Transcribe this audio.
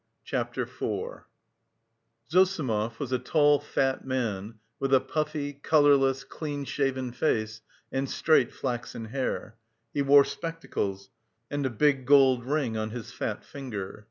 CHAPTER IV Zossimov was a tall, fat man with a puffy, colourless, clean shaven face and straight flaxen hair. He wore spectacles, and a big gold ring on his fat finger.